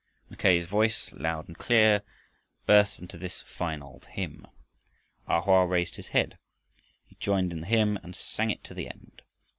Mackay's voice, loud and clear, burst into this fine old hymn. A Hoa raised his head. He joined in the hymn and sang it to the end.